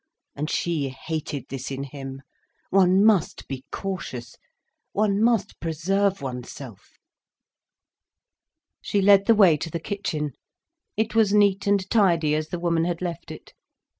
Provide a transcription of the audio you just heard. And she hated this in him. One must be cautious. One must preserve oneself. She led the way to the kitchen. It was neat and tidy, as the woman had left it.